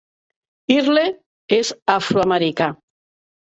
Earle és afroamericà.